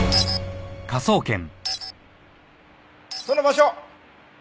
その場所！